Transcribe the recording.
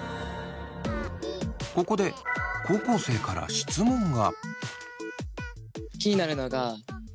ここで高校生から質問が。